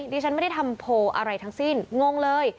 ดิฉันไม่ได้ทำโพลอะไรทั้งสิ้นงงเลย